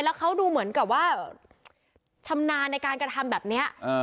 แล้วเขาดูเหมือนกับว่าชำนาญในการกระทำแบบนี้